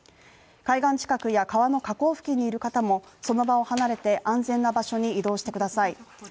海岸近くや川の河口付近にいる方もその場を離れて安全な場所に移動してください。